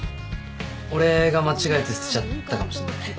俺が間違えて捨てちゃったかもしんない。